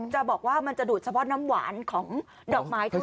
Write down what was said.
จะบอกว่ามันจะดูดเฉพาะน้ำหวานของดอกไม้เท่านั้น